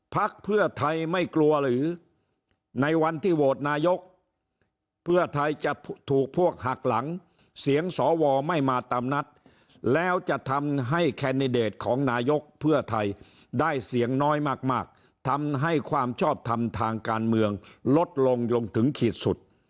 พักเพื่อไทยไม่กลัวหรือในวันที่โหวตนายกเพื่อไทยจะถูกพวกหักหลังเสียงสวไม่มาตามนัดแล้วจะทำให้แคนดิเดตของนายกเพื่อไทยได้เสียงน้อยมากทำให้ความชอบทำทางการเมืองลดลงลงถึงขีดสุด